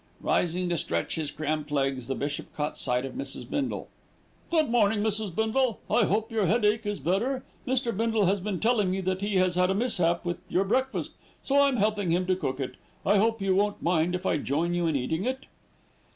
Rising to stretch his cramped legs, the bishop caught sight of Mrs. Bindle. "Good morning, Mrs. Bindle. I hope your headache is better. Mr. Bindle has been telling me that he has had a mishap with your breakfast, so I'm helping him to cook it. I hope you won't mind if I join you in eating it."